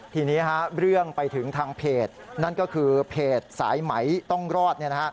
ทีนี้เรื่องไปถึงทางเพจนั่นก็คือเพจสายไหมต้องรอด